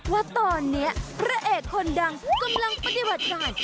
ว่าตอนนี้พระเอกคนดังกำลังปฏิบัติงาน